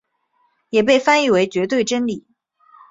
也被翻译为绝对真理。